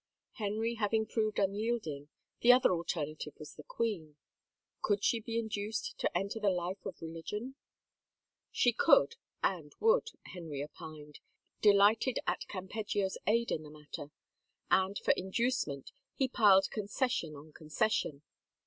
Henry having proved unyielding, the other alternative was the queen. Could she be induced to enter the life of religion ? She could and would, Henry opined, delighted at Cam peggio's aid in the matter, and for inducement he piled concession on concession.